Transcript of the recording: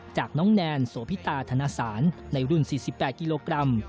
จากน้องแนนโสพิตาธนสารในรุ่น๔๘กิโลกรัม